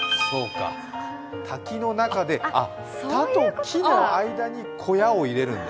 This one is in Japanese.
滝の中でたときの間にこやをいれるんだ。